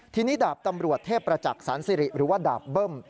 ทีนี้ดาบตำรวจเทพประจักษ์สันสิริหรือว่าดาบเบิ้ม